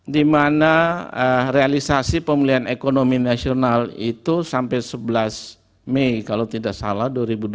di mana realisasi pemulihan ekonomi nasional itu sampai sebelas mei kalau tidak salah dua ribu dua puluh